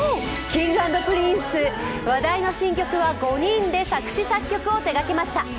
Ｋｉｎｇ＆Ｐｒｉｎｃｅ、話題の新曲は５人で作詞・作曲を手がけました。